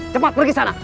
cepat pergi sana